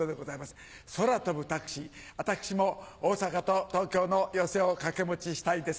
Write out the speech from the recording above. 私も大阪と東京の寄席を掛け持ちしたいです。